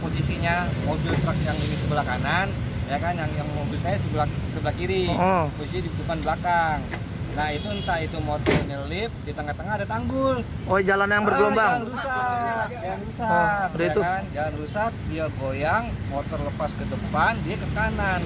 jalan rusak jalan rusak jalan rusak dia boyang motor lepas ke depan dia ke kanan